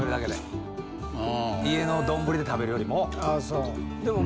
家の丼で食べるよりも。